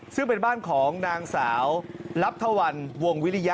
ซึ่งเป็นบ้านของนางสาวลับทวันวงวิริยะ